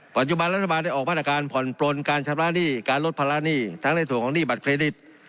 ปัจจุบันรัฐบาลได้ออกมาตรการผ่อนปลนการชำระหนี้การลดภาระหนี้ทั้งในส่วนของหนี้บัตรเครดิต